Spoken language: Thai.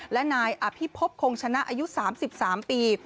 และนายอภิพบคงชนะอายุ๓๓ปี